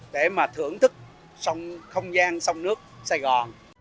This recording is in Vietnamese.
để mà thưởng thức không gian sông nước sài gòn